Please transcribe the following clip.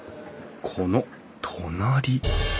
この隣！